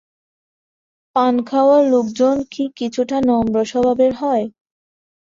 পান খাওয়া লোকজন কি কিছুটা নম্র স্বভাবের হয়?